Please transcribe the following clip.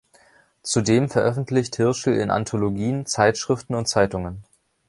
Zudem veröffentlicht Hirschl in Anthologien, Zeitschriften und Zeitungen.